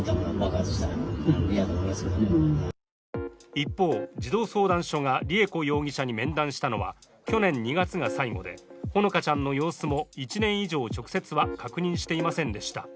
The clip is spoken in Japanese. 一方、児童相談所がりゑ子容疑者に面談したのは去年２月が最後で、ほのかちゃんの様子も、１年以上直接は確認していませんでした。